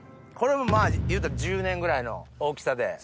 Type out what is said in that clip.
これもいうたら１０年ぐらいの大きさで？